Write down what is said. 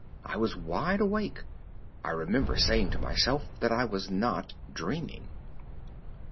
I was wide awake. I remember saying to myself that I was not dreaming.